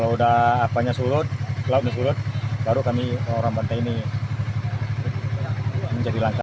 sudah apanya sulut lautnya sulut baru kami orang pantai ini menjadi langkah